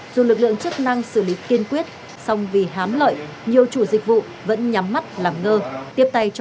dù lực lượng chức năng xử lý kiên quyết song vì hám lợi nhiều chủ dịch vụ vẫn nhắm mắt làm ngơ